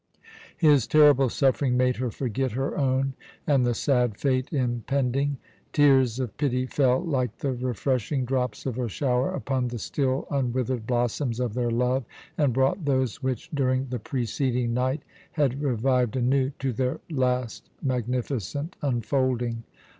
His terrible suffering made her forget her own and the sad fate impending. Tears of pity fell like the refreshing drops of a shower upon the still unwithered blossoms of their love, and brought those which, during the preceding night, had revived anew, to their last magnificent unfolding.